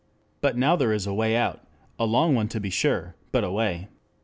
But now there is a way out, a long one to be sure, but a way.